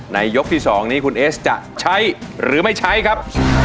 ยกที่๒นี้คุณเอสจะใช้หรือไม่ใช้ครับ